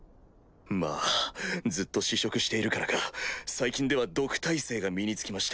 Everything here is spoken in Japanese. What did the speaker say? まぁずっと試食しているからか最近では毒耐性が身に付きましたが。